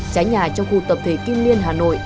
trái nhà trong khu tập thể kim liên hà nội